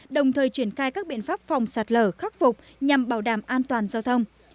đồng thời triển khai các biện pháp phòng sạt lở khắc phục nhằm bảo đảm an toàn giao thông